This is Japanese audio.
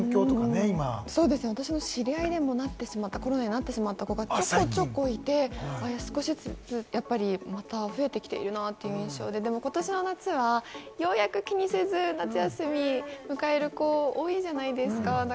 私の知り合いでもコロナになってしまった子がちょこちょこいて、少しずつやっぱり、また増えてきているなという印象で、でも今年の夏は、ようやく気にせず夏休みを迎える子が多いじゃないですか。